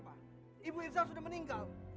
kenapa ibu irzal sudah meninggal